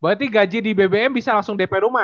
berarti gaji di bbm bisa langsung dp rumah